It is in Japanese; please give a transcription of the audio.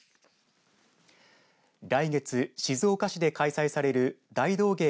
来月、静岡市で開催される大道芸